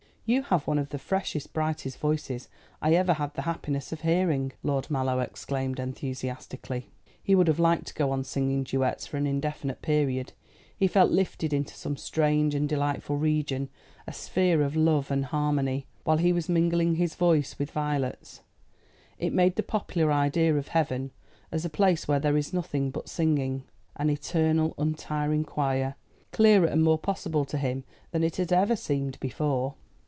"You have one of the freshest, brightest voices I ever had the happiness of hearing," Lord Mallow exclaimed enthusiastically. He would have liked to go on singing duets for an indefinite period. He felt lifted into some strange and delightful region a sphere of love and harmony while he was mingling his voice with Violet's. It made the popular idea of heaven, as a place where there is nothing but singing an eternal, untiring choir clearer and more possible to him than it had ever seemed before.